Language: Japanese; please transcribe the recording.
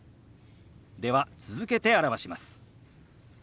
では続けて表します。